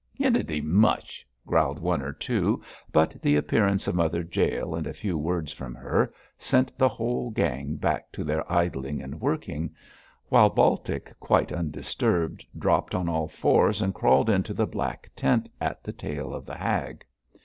'Hindity Mush!'[C] growled one or two, but the appearance of Mother Jael, and a few words from her, sent the whole gang back to their idling and working; while Baltic, quite undisturbed, dropped on all fours and crawled into the black tent, at the tail of the hag.